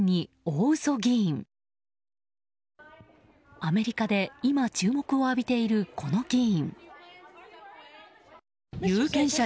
アメリカで今、注目を浴びているこの議員。